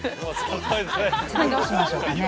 次、どうしましょうかね。